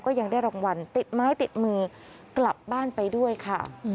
ยังได้รางวัลติดไม้ติดมือกลับบ้านไปด้วยค่ะ